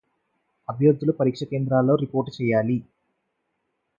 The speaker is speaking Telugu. అభ్యర్థులు పరీక్ష కేంద్రాల్లో రిపోర్ట్ చేయాలి